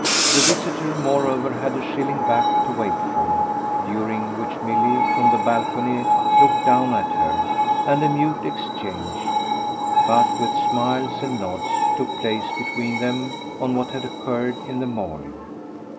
The visitor moreover had a shilling back to wait for, during which Milly, from the balcony, looked down at her, and a mute exchange, but with smiles and nods, took place between them on what had occurred in the morning.